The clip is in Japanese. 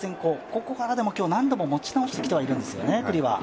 ここからでも、今日、何度も九里は持ち直してきているんですよね。